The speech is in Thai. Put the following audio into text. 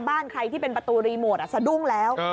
บ้านใครที่เป็นประตูรีโมทสะดุ้งแล้ว